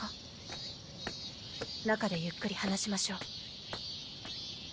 中でゆっくり話しましょう。